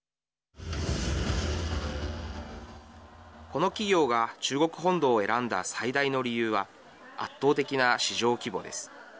この企業が中国本土を選んだ最大の理由は圧倒的な市場規模です。